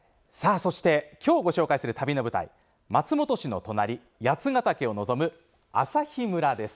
そして今日ご紹介する旅の舞台、松本市の隣八ケ岳を望む朝日村です。